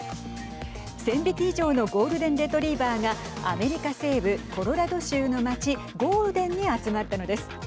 １０００匹以上のゴールデンレトリーバーがアメリカ西部コロラド州の街ゴールデンに集まったのです。